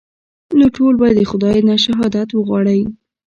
نو ټول به د خداى نه شهادت وغواړئ.